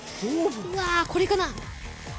うわーこれかな？